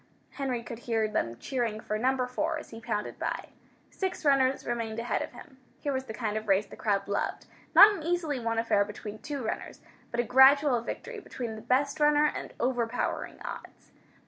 Henry could hear them cheering for Number 4, as he pounded by. Six runners remained ahead of him. Here was the kind of race the crowd loved; not an easily won affair between two runners, but a gradual victory between the best runner and overpowering odds.